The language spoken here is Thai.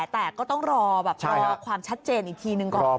แต่ก็ต้องรอแบบรอความชัดเจนอีกทีหนึ่งก่อน